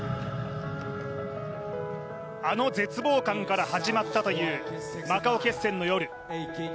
あの絶望感から始まったというマカオ決戦の夜。